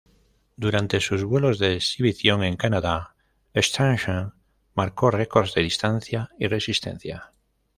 Durante sus vuelos de exhibición en Canadá, Stinson marcó records de distancia y resistencia.